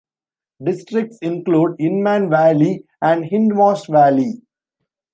Districts include Inman Valley and Hindmarsh Valley.